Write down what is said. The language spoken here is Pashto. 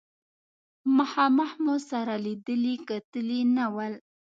مخامخ مو سره لیدلي کتلي نه ول.